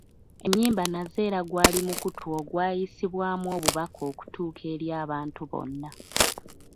Ennyimba nazo era gwali mukutu ogwayisibwamu obubaka okutuuka eri abantu bonna